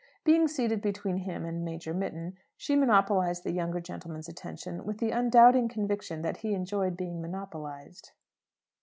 Being seated between him and Major Mitton, she monopolized the younger gentleman's attention with the undoubting conviction that he enjoyed being monopolized.